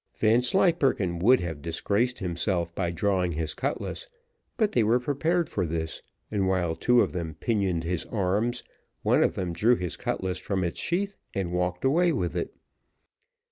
Vanslyperken would have disgraced himself by drawing his cutlass; but they were prepared for this, and while two of them pinioned his arms, one of them drew his cutlass from its sheath, and walked away with it.